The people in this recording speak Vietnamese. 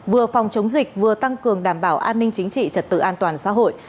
vừa phòng chống dịch vừa tăng cường đảm bảo an ninh chính trị trật tự an toàn xã hội